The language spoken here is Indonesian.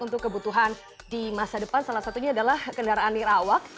untuk kebutuhan di masa depan salah satunya adalah kendaraan nirawak